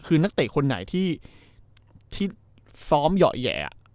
คือนักเตะคนไหนที่ที่ซ้อมหย่อแหย่อ่ะอืม